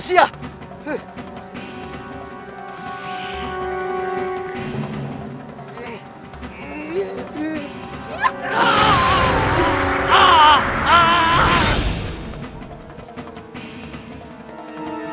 tidak ada apa apa